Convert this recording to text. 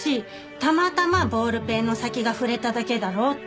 たまたまボールペンの先が触れただけだろうって。